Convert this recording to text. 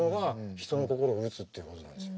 人の心を打つっていうことなんですよ。